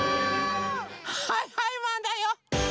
はいはいマンだよ。